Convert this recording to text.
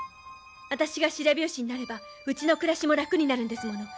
私が白拍子になればうちの暮らしも楽になるんですもの。